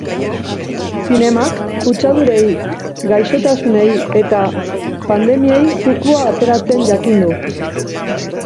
Zinemak kutsadurei, gaixotasunei eta pandemiei zukua ateratzen jakin du.